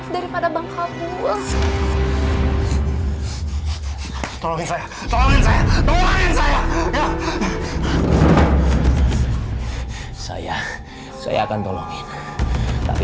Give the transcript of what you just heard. terima kasih telah penonton